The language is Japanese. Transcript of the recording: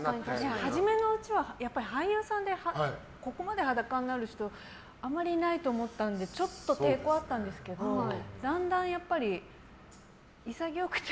初めのうちは俳優さんでここまで裸になる人あんまりいないと思ったのでちょっと抵抗あったんですけどだんだん、潔くて。